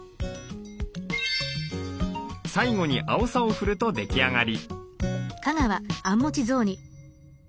最後にあおさを振ると出来上がり。